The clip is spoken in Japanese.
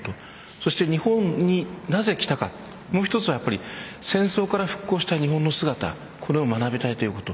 そして日本になぜ来たかもう一つは、戦争から復興した日本の姿を学びたいということ。